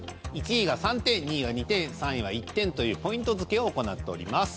１位が３点２位が２点３位は１点というポイント付けを行っております。